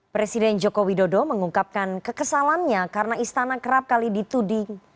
presiden joko widodo mengungkapkan kekesalannya karena istana kerap kali dituding